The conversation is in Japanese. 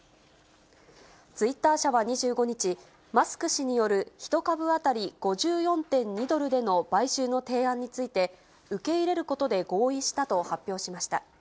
ツイッター社は２５日、マスク氏による１株当たり５４．２ドルでの買収の提案について、受け入れることで合意したと発表しました。